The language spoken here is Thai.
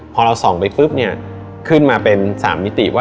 พอเราส่องไปขึ้นมาเป็น๓มิติ